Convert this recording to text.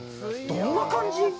どんな感じ？